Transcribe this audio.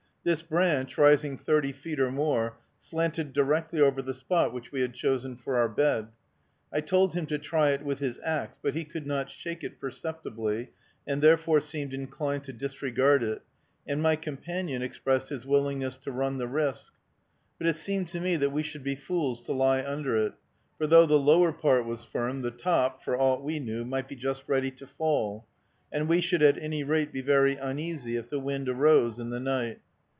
This branch, rising thirty feet or more, slanted directly over the spot which we had chosen for our bed. I told him to try it with his axe; but he could not shake it perceptibly, and therefore seemed inclined to disregard it, and my companion expressed his willingness to run the risk. But it seemed to me that we should be fools to lie under it, for though the lower part was firm, the top, for aught we knew, might be just ready to fall, and we should at any rate be very uneasy if the wind arose in the night.